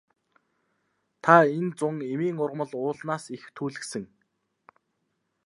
Та энэ зун эмийн ургамал уулнаас их түүлгэсэн.